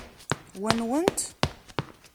Wa nwent?